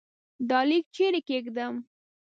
دا لیک چيري کښېږدم ؟